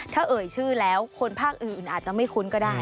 ถ้าเอ่ยชื่อแล้วคนภาคอื่นอาจจะไม่คุ้นก็ได้